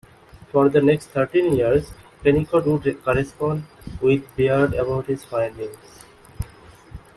For the next thirteen years, Kennicott would correspond with Baird about his findings.